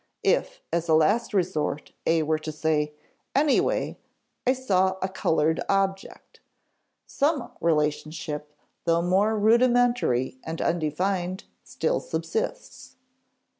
If, as a last resort, A were to say, "Anyway, I saw a colored object," some relationship, though more rudimentary and undefined, still subsists.